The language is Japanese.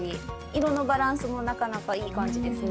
色のバランスもなかなかいい感じですね。